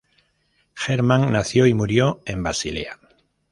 Hermann nació y murió en Basilea.